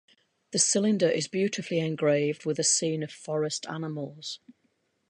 The cylinder is beautifully engraved with a scene of forest animals.